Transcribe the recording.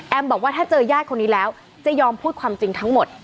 บอกว่าถ้าเจอญาติคนนี้แล้วจะยอมพูดความจริงทั้งหมด